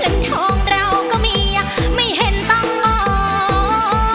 หลังทองเราก็มีไม่เห็นต้องงอ